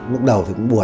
lúc đầu thì cũng buồn